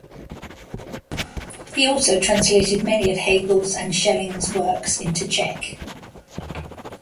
He also translated many of Hegel's and Schelling's works into Czech.